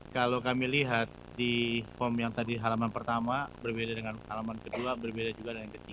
kalau kami lihat di form yang tadi halaman pertama berbeda dengan halaman kedua berbeda juga dengan yang ketiga